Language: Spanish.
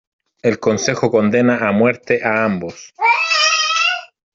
El consejo condena a muerte a ambos.